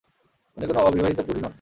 উনি কোনো অবিবাহিতা বুড়ি নন।